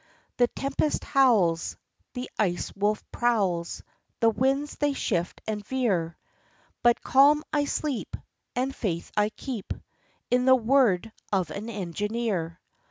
The tempest howls, The Ice Wolf prowls, The winds they shift and veer, But calm I sleep, And faith I keep In the word of an engineer.